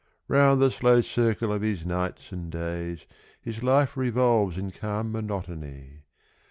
= Round the slow circle of his nights and days `His life revolves in calm monotony.